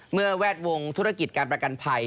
แวดวงธุรกิจการประกันภัย